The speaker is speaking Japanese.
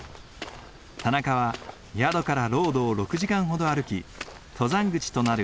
田中は宿からロードを６時間ほど歩き登山口となる